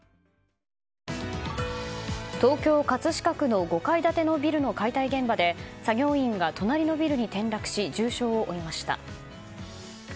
東京・葛飾区の５階建てのビルの解体現場で作業員が隣のビルに転落し重傷を負いました。